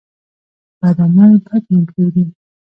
بد عمل بد نوم پرېږدي.